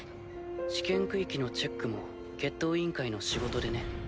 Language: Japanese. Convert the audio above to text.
試験区域のチェックも決闘委員会の仕事でね。